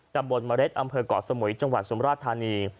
ตำบลเมล็ดอำเภอกเกาะสมุยจังหวัดสุมราชธานี